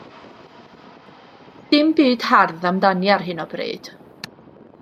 Doedd dim byd hardd amdani ar hyn o bryd.